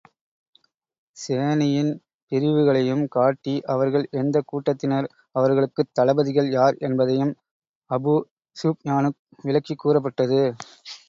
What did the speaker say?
சேனையின் பிரிவுகளையும் காட்டி, அவர்கள் எந்தக் கூட்டத்தினர், அவர்களுக்குத் தளபதிகள் யார் என்பதையும் அபூ ஸுப்யானுக்கு விளக்கிக் கூறப்பட்டது.